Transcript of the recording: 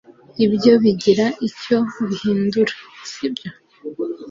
ibyo bigira icyo bihindura, sibyo